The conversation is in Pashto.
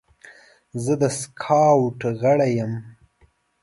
زه د سکاوټ غړی یم.